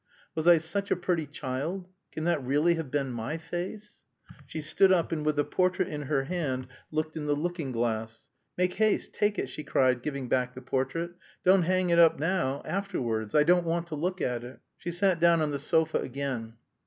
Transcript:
"Was I such a pretty child? Can that really have been my face?" She stood up, and with the portrait in her hand looked in the looking glass. "Make haste, take it!" she cried, giving back the portrait. "Don't hang it up now, afterwards. I don't want to look at it." She sat down on the sofa again.